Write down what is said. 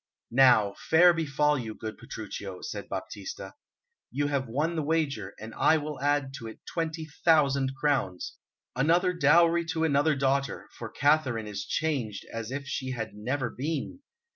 "Now, fair befall you, good Petruchio!" said Baptista. "You have won the wager, and I will add to it twenty thousand crowns another dowry to another daughter, for Katharine is changed as if she had never been."